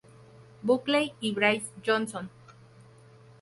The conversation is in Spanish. Buckley y Bryce Johnson.